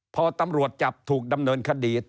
พอตำรวจจับถูกดำเนินคดี